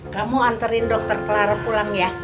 kamu anterin dokter clara pulang ya